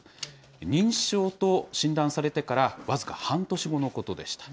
認知症と診断されてから僅か半年後のことでした。